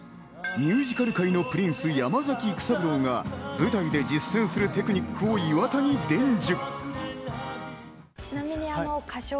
ミュージカル界のプリンス・山崎育三郎が舞台で実践するテクニックを岩田に伝授。